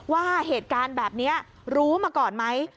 ว่าเหตุการณ์แบบนี้รู้มาก่อนไหม